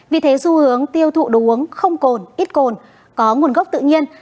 vì thế xu hướng tiêu thụ đồ uống không cồn ít cồn có nguồn gốc tự nhiên